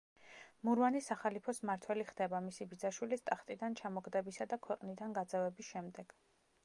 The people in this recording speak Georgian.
მურვანი სახალიფოს მმართველი ხდება მისი ბიძაშვილის ტახტიდან ჩამოგდებისა და ქვეყნიდან გაძევების შემდეგ.